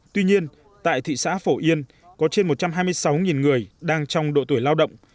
tuy nhiên tại thị xã phổ yên có trên một trăm hai mươi sáu người đang trong độ tuổi lao động